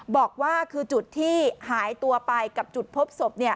บอกว่าคือจุดที่หายตัวไปกับจุดพบศพ